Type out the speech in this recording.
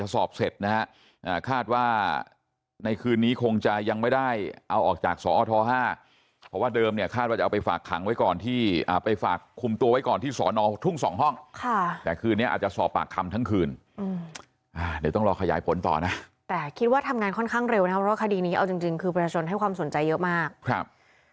สออท๕เพราะว่าเดิมเนี่ยคาดว่าจะเอาไปฝากขังไว้ก่อนที่ไปฝากคุมตัวไว้ก่อนที่สอนอทุ่ง๒ห้องค่ะแต่คืนนี้อาจจะสอบปากคำทั้งคืนเดี๋ยวต้องรอขยายผลต่อนะแต่คิดว่าทำงานค่อนข้างเร็วนะว่าคดีนี้เอาจริงคือประชนให้ความสนใจเยอะมากครับ